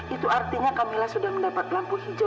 itu artinya kamilah sudah mendapat lampu hijau